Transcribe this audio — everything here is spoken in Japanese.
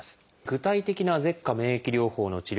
具体的な舌下免疫療法の治療